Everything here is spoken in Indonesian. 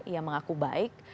ia mengaku baik